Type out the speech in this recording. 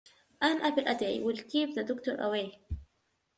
An apple a day, will keep the doctor away.